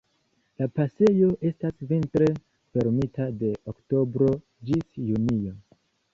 La pasejo estas vintre fermita de oktobro ĝis junio.